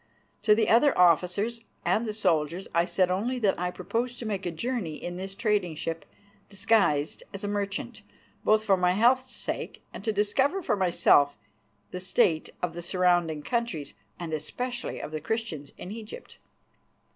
To the other officers and the soldiers I said only that I proposed to make a journey in this trading ship disguised as a merchant, both for my health's sake and to discover for myself the state of the surrounding countries, and especially of the Christians in Egypt.